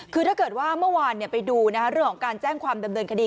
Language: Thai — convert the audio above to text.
คือถ้าเกิดว่าเมื่อวานไปดูเรื่องของการแจ้งความดำเนินคดี